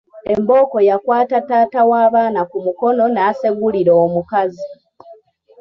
Embooko yakwata taata w’abaana ku mukono n’asegulira omukazi.